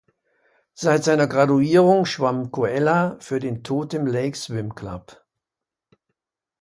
Seit seiner Graduierung schwamm Coella für den "Totem Lake Swim Club".